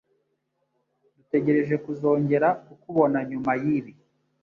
Dutegereje kuzongera kukubona nyuma yibi.